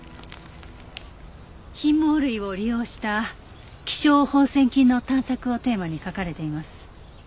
貧毛類を利用した稀少放線菌の探索をテーマに書かれています。